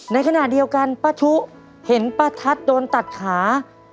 ในขณะเดียวกันป้าชุเห็นป้าทัศน์โดนตัดขา